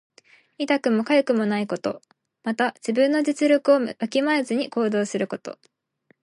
痛くもかゆくもないこと。また、自分の実力をわきまえずに行動すること。